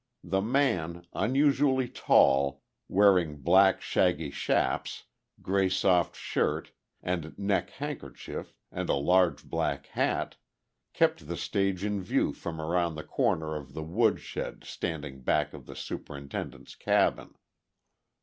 The man, unusually tall, wearing black shaggy chaps, grey soft shirt and neck handkerchief and a large black hat, kept the stage in view from around the corner of the wood shed standing back of the superintendent's cabin.